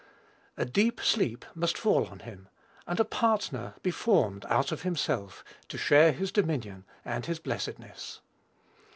"A deep sleep" must fall on him, and a partner be formed, out of himself, to share his dominion and his blessedness.